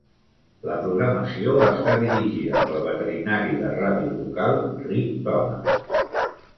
La programació està dirigida pel veterinari de ràdio local, Rick Thomas.